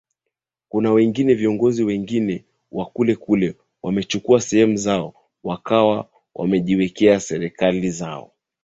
kuna wengine viongozi wengine wa kule kule wamechukua sehemu zao wakawa wamejiwekea serikali zao